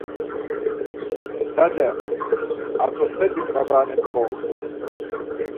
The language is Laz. Zade atzup̌et̆i babaane miyonurt̆u.